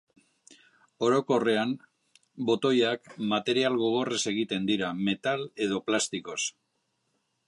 Orokorrean botoiak material gogorrez egiten dira, metal edo plastikoz.